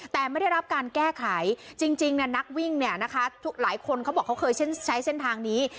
แต่ไม่ได้รับการแก้ไขจริงนักวิ่งเนี่ยนะคะหลายคนเขาบอกเขาเคยใช้เส้นทางนี้